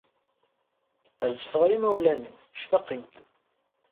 Rzef ɣer imawlan-im, ctaqen-kem.